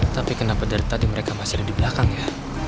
tapi kenapa dari tadi mereka masih ada di belakang ya